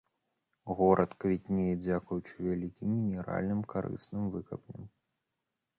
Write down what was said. Горад квітнее дзякуючы вялікім мінеральным карысным выкапням.